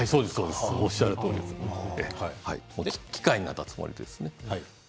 機械になったつもりですね。